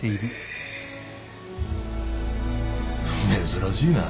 珍しいな。